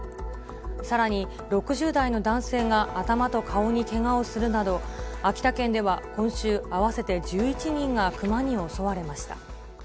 さらに、６０代の男性が頭と顔にけがをするなど、秋田県では今週、合わせて１１人がクマに襲われました。